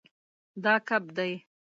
دا کب دی